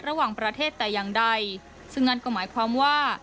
ระหว่างประเทศแต่อย่างใดซึ่งนั่นก็หมายความว่า